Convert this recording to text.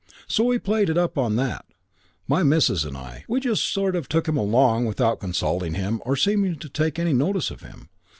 So we played it up on that, my missus and I; we just sort of took him along without consulting him or seeming to take any notice of him.